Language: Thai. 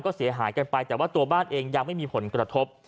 ก็เสียหายกันไปแต่ว่าตัวบ้านเองยังไม่มีผลกระทบ